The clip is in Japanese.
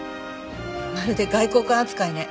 まるで外交官扱いね。